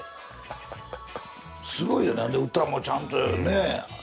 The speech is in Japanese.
すごいよなでも歌もちゃんとね。